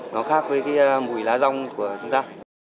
nó khác với cái mùi lá rong của chúng ta